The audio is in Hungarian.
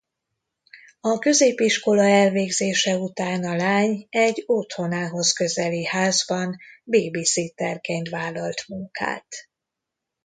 A középiskola elvégzése után a lány egy otthonához közeli házban bébiszitterként vállalt munkát.